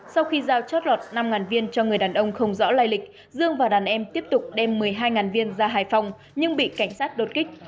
sau khi giao chót lọt năm viên cho người đàn ông không rõ lai lịch dương và đàn em tiếp tục đem một mươi hai viên ra hải phòng nhưng bị cảnh sát đột kích